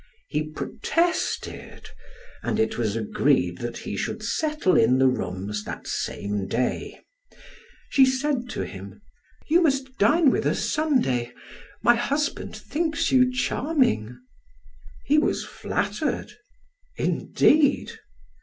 He protested, and it was agreed that he should settle in the rooms that same day. She said to him: "You must dine with us Sunday. My husband thinks you charming." He was flattered. "Indeed?"